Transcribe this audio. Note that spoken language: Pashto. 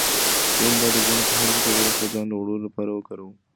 موږ باید د ژوند هر کثافت د خپل ځان د لوړولو لپاره وکاروو.